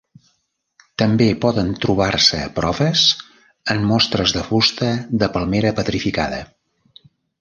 També poden trobar-se proves en mostres de fusta de palmera petrificada.